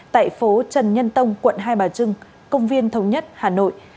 tại phố trần nhân tông quận hai bà trưng công viên thống nhất hà nội